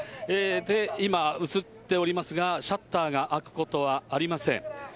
今、映っておりますが、シャッターが開くことはありません。